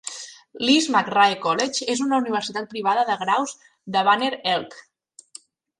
Lees-McRae College és una universitat privada de graus de Banner Elk.